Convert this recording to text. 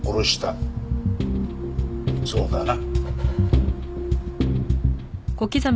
そうだな？